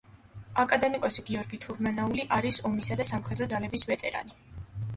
აკადემიკოსი გიორგი თურმანაული არის ომისა და სამხედრო ძალების ვეტერანი.